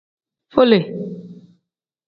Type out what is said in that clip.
Fole.